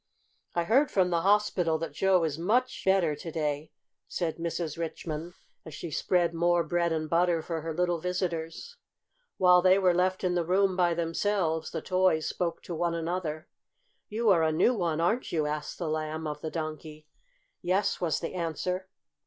"I heard from the hospital that Joe is much better to day," said Mrs. Richmond, as she spread more bread and butter for her little visitors. While they were left in the room by themselves, the toys spoke to one another. "You are a new one, aren't you?" asked the Lamb of the Donkey. "Yes," was the answer.